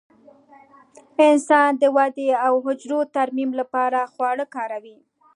انسان د ودې او حجرو ترمیم لپاره خواړه کاروي.